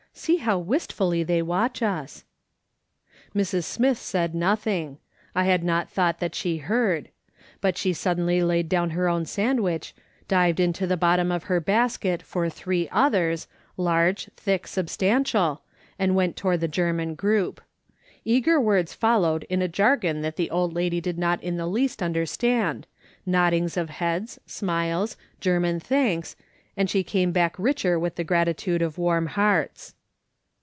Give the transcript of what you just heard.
" See how wistfully they watch us." Mrs. Smith said nothing. I had not thought that she heard: but she sudrenly laid down her own sandwicli, dived into tlic bottom of her basket for three others, large, thick, substantial, and went to ward the German group. Eager words followed in a jargon that the old lady did not in the least understand, noddings of heads, smiles, German thanks, and she came back richer with the gratitude of warm hearts.